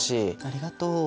ありがとう。